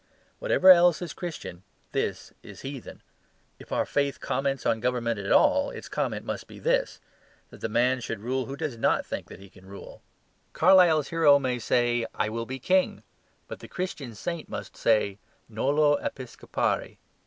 Whatever else is Christian, this is heathen. If our faith comments on government at all, its comment must be this that the man should rule who does NOT think that he can rule. Carlyle's hero may say, "I will be king"; but the Christian saint must say "Nolo episcopari."